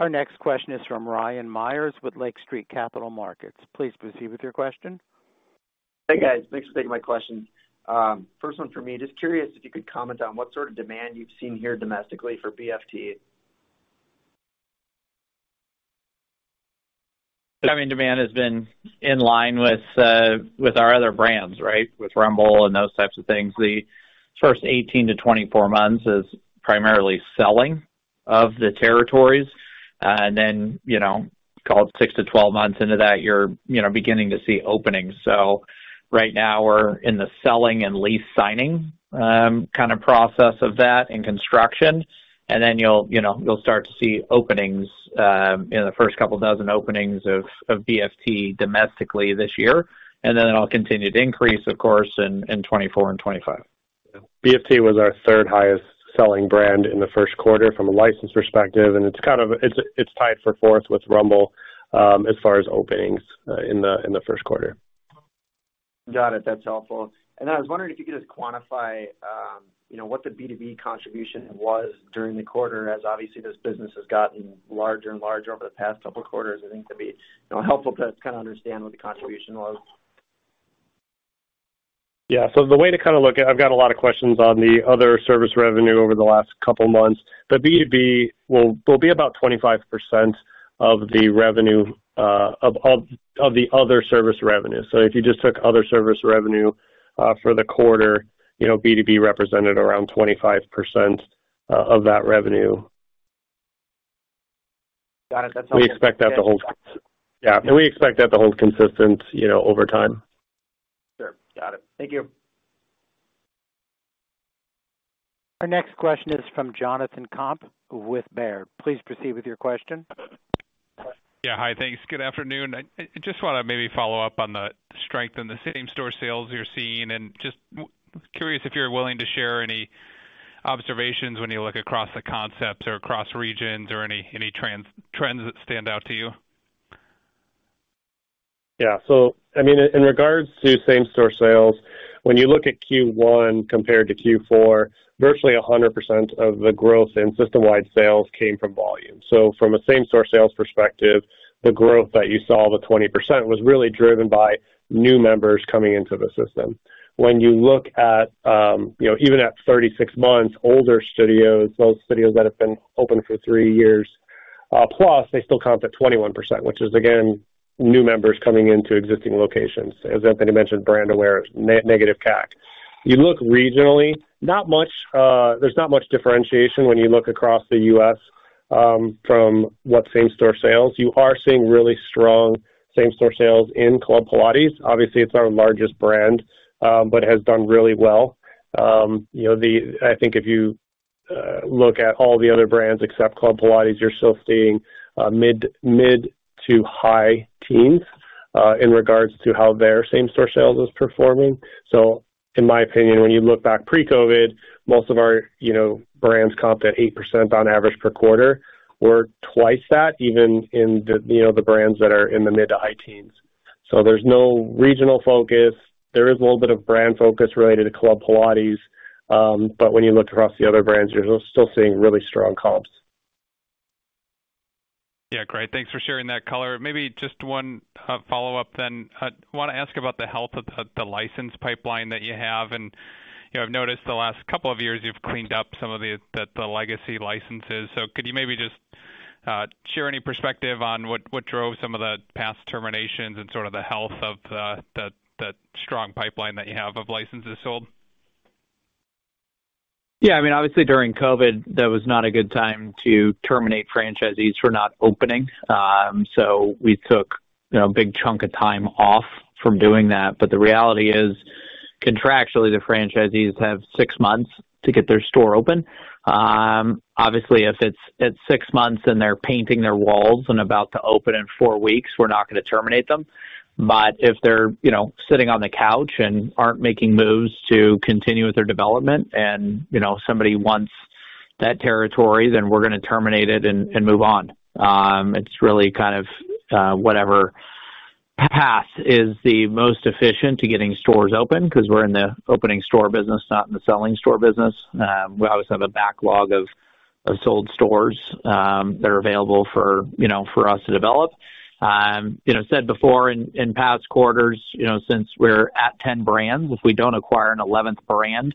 Our next question is from Ryan Meyers with Lake Street Capital Markets. Please proceed with your question.
Hey, guys. Thanks for taking my questions. First one for me, just curious if you could comment on what sort of demand you've seen here domestically for BFT.
I mean, demand has been in line with our other brands, right? With Rumble and those types of things. The first 18-24 months is primarily selling of the territories. Then, you know, call it 6-12 months into that, you're, you know, beginning to see openings. Right now we're in the selling and lease signing, kind of process of that and construction. Then you'll, you know, you'll start to see openings, you know, the first couple dozen openings of BFT domestically this year. Then it'll continue to increase, of course, in 2024 and 2025.
BFT was our third highest selling brand in the first quarter from a license perspective, and it's tied for fourth with Rumble, as far as openings, in the first quarter.
Got it. That's helpful. I was wondering if you could just quantify, you know, what the B2B contribution was during the quarter as obviously this business has gotten larger and larger over the past couple quarters. I think that'd be, you know, helpful to kind of understand what the contribution was.
I've got a lot of questions on the other service revenue over the last couple months. The B2B will be about 25% of the revenue of the other service revenue. If you just took other service revenue for the quarter, you know, B2B represented around 25% of that revenue.
Got it. That's helpful.
We expect that to hold.
Yeah.
Yeah, we expect that to hold consistent, you know, over time.
Sure. Got it. Thank you.
Our next question is from Jonathan Komp with Baird. Please proceed with your question.
Yeah. Hi. Thanks. Good afternoon. I just want to maybe follow up on the strength in the same-store sales you're seeing and just curious if you're willing to share any observations when you look across the concepts or across regions or any trends that stand out to you?
I mean, in regards to same-store sales, when you look at Q1 compared to Q4, virtually 100% of the growth in system-wide sales came from volume. From a same-store sales perspective, the growth that you saw, the 20%, was really driven by new members coming into the system. When you look at, you know, even at 36 months, older studios, those studios that have been open for 3 years, plus they still comp at 21%, which is again, new members coming into existing locations. As Anthony mentioned, brand awareness, negative CAC. You look regionally, not much, there's not much differentiation when you look across the U.S., from what same-store sales. You are seeing really strong same-store sales in Club Pilates. Obviously, it's our largest brand, but has done really well. you know, I think if you look at all the other brands except Club Pilates, you're still seeing mid to high teens in regards to how their same-store sales is performing. In my opinion, when you look back pre-COVID, most of our, you know, brands comp at 8% on average per quarter. We're twice that even in the, you know, the brands that are in the mid to high teens. There's no regional focus. There is a little bit of brand focus related to Club Pilates. When you look across the other brands, you're still seeing really strong comps.
Yeah. Great. Thanks for sharing that color. Maybe just one follow-up then. Wanna ask about the health of the license pipeline that you have. You know, I've noticed the last couple of years you've cleaned up some of the legacy licenses. Could you maybe just share any perspective on what drove some of the past terminations and sort of the health of the strong pipeline that you have of licenses sold?
Yeah. I mean, obviously during COVID, that was not a good time to terminate franchisees for not opening. We took, you know, a big chunk of time off from doing that. The reality is, contractually, the franchisees have 6 months to get their store open. Obviously, if it's 6 months and they're painting their walls and about to open in 4 weeks, we're not going to terminate them. If they're, you know, sitting on the couch and aren't making moves to continue with their development and, you know, somebody wants that territory, then we're going to terminate it and move on. It's really kind of whatever path is the most efficient to getting stores open 'cause we're in the opening store business, not in the selling store business. We always have a backlog of sold stores that are available for, you know, for us to develop. You know, said before in past quarters, you know, since we're at 10 brands, if we don't acquire an 11th brand,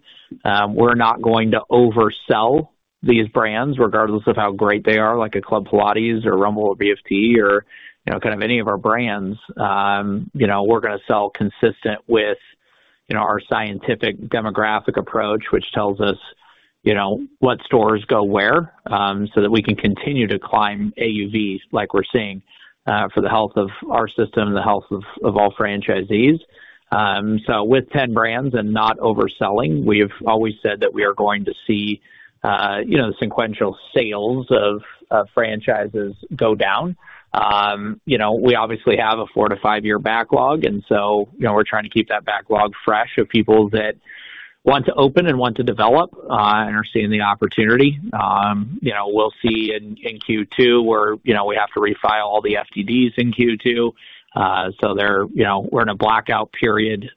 we're not going to oversell these brands regardless of how great they are, like a Club Pilates or Rumble or BFT or, you know, kind of any of our brands. You know, we're going to sell consistent with, you know, our scientific demographic approach, which tells us, you know, what stores go where, so that we can continue to climb AUVs like we're seeing for the health of our system and the health of all franchisees. With 10 brands and not overselling, we've always said that we are going to see, you know, the sequential sales of franchises go down. You know, we obviously have a four to five year backlog, you know, we're trying to keep that backlog fresh of people that want to open and want to develop and are seeing the opportunity. You know, we'll see in Q2 where, you know, we have to refile all the FDDs in Q2. They're, you know, we're in a blackout period, you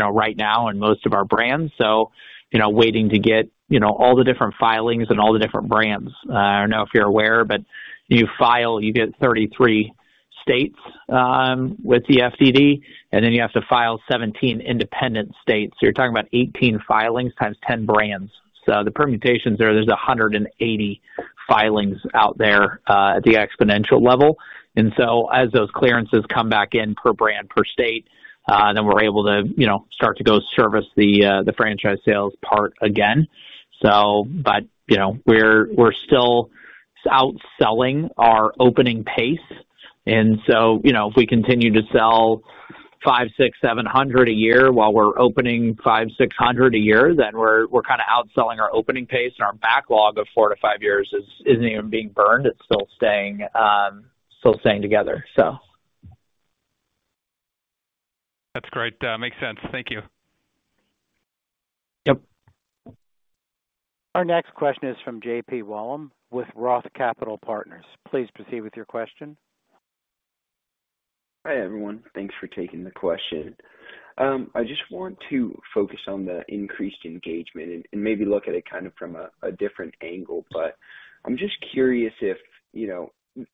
know, right now in most of our brands. You know, waiting to get, you know, all the different filings and all the different brands. I don't know if you're aware, you file, you get 33 states with the FDD, you have to file 17 independent states. You're talking about 18 filings times 10 brands. The permutations there's 180 filings out there at the Xponential level. As those clearances come back in per brand, per state, then we're able to, you know, start to go service the franchise sales part again. You know, we're still outselling our opening pace. You know, if we continue to sell 500, 600, 700 a year while we're opening 500, 600 a year, then we're kind of outselling our opening pace and our backlog of 4-5 years isn't even being burned. It's still staying together.
That's great. Makes sense. Thank you.
Yep.
Our next question is from John-Paul Wollam with ROTH Capital Partners. Please proceed with your question.
Hi, everyone. Thanks for taking the question. I just want to focus on the increased engagement and maybe look at it kind of from a different angle, but I'm just curious if, you know,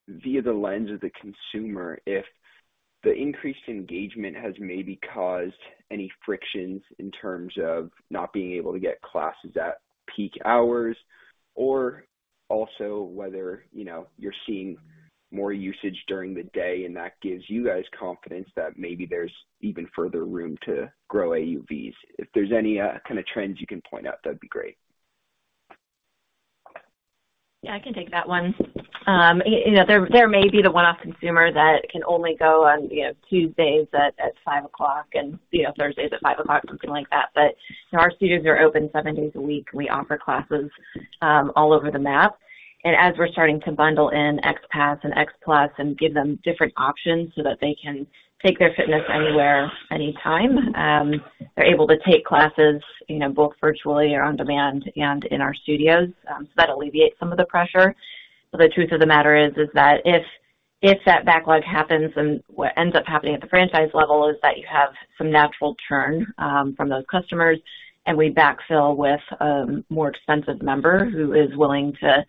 via the lens of the consumer, if the increased engagement has maybe caused any frictions in terms of not being able to get classes at peak hours or also whether, you know, you're seeing more usage during the day and that gives you guys confidence that maybe there's even further room to grow AUVs. If there's any kind of trends you can point out, that'd be great.
Yeah, I can take that one. You know, there may be the one-off consumer that can only go on, you know, Tuesdays at 5:00 and, you know, Thursdays at 5:00, something like that. You know, our studios are open 7 days a week, and we offer classes all over the map. As we're starting to bundle in XPASS and XPLUS and give them different options so that they can take their fitness anywhere, anytime, they're able to take classes, you know, both virtually or on demand and in our studios. That alleviates some of the pressure. The truth of the matter is that if that backlog happens and what ends up happening at the franchise level is that you have some natural churn from those customers, and we backfill with a more expensive member who is willing to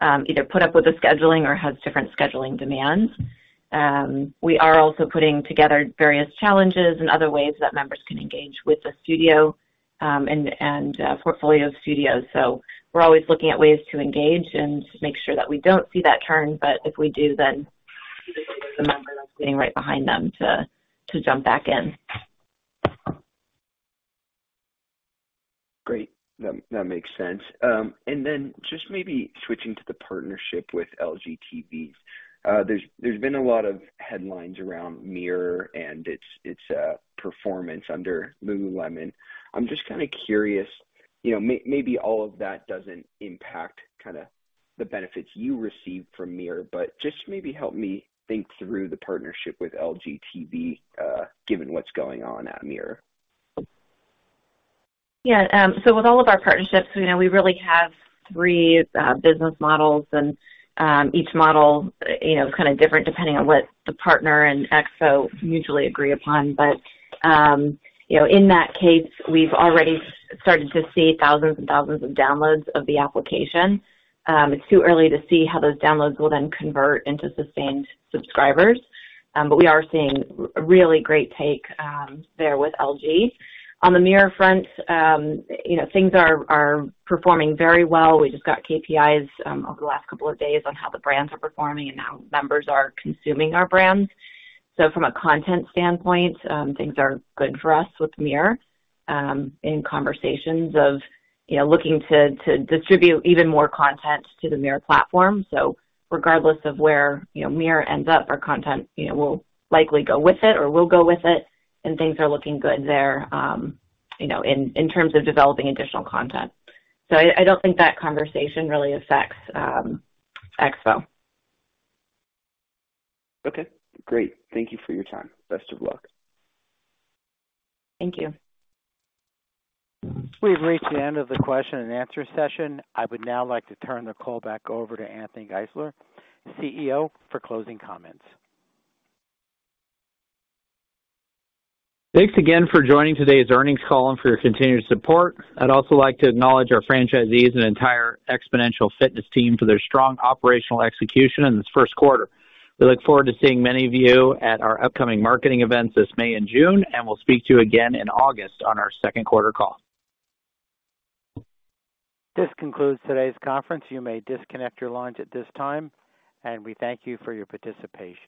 either put up with the scheduling or has different scheduling demands. We are also putting together various challenges and other ways that members can engage with the studio and portfolio of studios. We're always looking at ways to engage and make sure that we don't see that churn, but if we do, then there's a member that's waiting right behind them to jump back in.
Great. That makes sense. Just maybe switching to the partnership with LG TV. There's been a lot of headlines around Mirror and its performance under Lululemon. I'm just kinda curious, you know, maybe all of that doesn't impact kinda the benefits you receive from Mirror, but just maybe help me think through the partnership with LG TV, given what's going on at Mirror.
Yeah. With all of our partnerships, you know, we really have 3 business models, and each model, you know, is kind of different depending on what the partner and XPOF mutually agree upon. In that case, you know, we've already started to see thousands and thousands of downloads of the application. It's too early to see how those downloads will then convert into sustained subscribers. We are seeing a really great take there with LG. On the Mirror front, you know, things are performing very well. We just got KPIs over the last couple of days on how the brands are performing and how members are consuming our brands. From a content standpoint, things are good for us with Mirror, in conversations of, you know, looking to distribute even more content to the Mirror platform. Regardless of where, you know, Mirror ends up, our content, you know, will likely go with it or will go with it. Things are looking good there, you know, in terms of developing additional content. I don't think that conversation really affects EXPO.
Okay, great. Thank you for your time. Best of luck.
Thank you.
We've reached the end of the question and answer session. I would now like to turn the call back over to Anthony Geisler, CEO, for closing comments.
Thanks again for joining today's earnings call and for your continued support. I'd also like to acknowledge our franchisees and entire Xponential Fitness team for their strong operational execution in this first quarter. We look forward to seeing many of you at our upcoming marketing events this May and June, and we'll speak to you again in August on our second quarter call.
This concludes today's conference. You may disconnect your lines at this time, and we thank you for your participation.